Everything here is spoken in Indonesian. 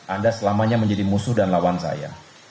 anda selamanya menjadi musuh dan lawan saya